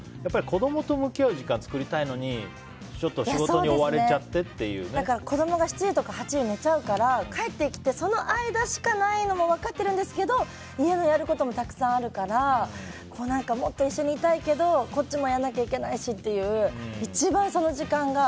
子供と向き合う時間を作りたいのに子供が７時とか８時に寝ちゃうから、帰ってきてその間しかないのも分かってるんですけど家のやることもたくさんあるからもっと一緒にいたいけどこっちもやらなきゃいけないしっていう、一番その時間が。